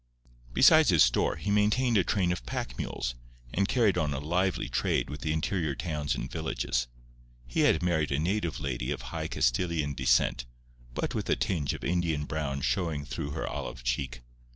Besides his store, he maintained a train of pack mules, and carried on a lively trade with the interior towns and villages. He had married a native lady of high Castilian descent, but with a tinge of Indian brown showing through her olive cheek.